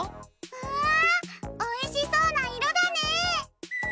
わあおいしそうないろだね！